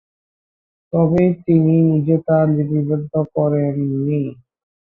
তবে তিনি নিজে তা লিপিবদ্ধ করেন নি।